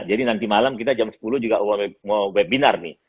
jadi nanti malam kita jam sepuluh juga webinar nih